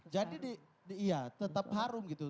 jadi tetap harum